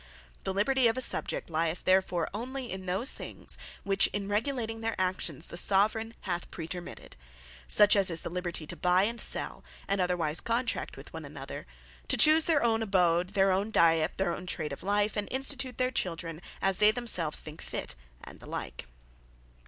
The Liberty of a Subject, lyeth therefore only in those things, which in regulating their actions, the Soveraign hath praetermitted; such as is the Liberty to buy, and sell, and otherwise contract with one another; to choose their own aboad, their own diet, their own trade of life, and institute their children as they themselves think fit; & the like.